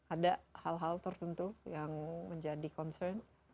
ada hal hal tertentu yang menjadi concern